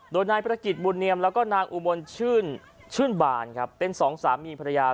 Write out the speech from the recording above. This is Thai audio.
โดยนายปฏิกิจบุญเนียมและนางอุบลชื่นบารเป็น๒สามีพระยา